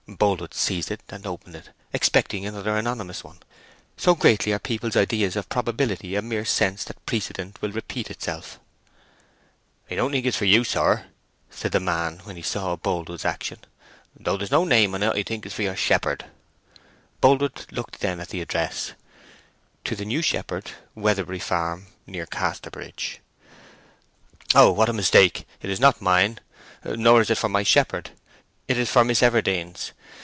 Boldwood seized it and opened it, expecting another anonymous one—so greatly are people's ideas of probability a mere sense that precedent will repeat itself. "I don't think it is for you, sir," said the man, when he saw Boldwood's action. "Though there is no name, I think it is for your shepherd." Boldwood looked then at the address— To the New Shepherd, Weatherbury Farm, Near Casterbridge "Oh—what a mistake!—it is not mine. Nor is it for my shepherd. It is for Miss Everdene's.